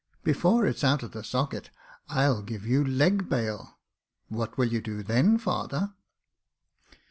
*' Before it's out of the socket, I'll give you leg bail. What will you do then, father